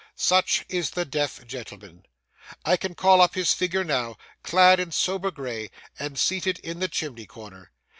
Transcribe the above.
Such is the deaf gentleman. I can call up his figure now, clad in sober gray, and seated in the chimney corner.